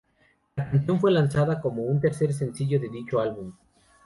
La canción fue lanzada como el tercer sencillo de dicho álbum.